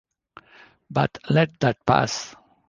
But let that pass.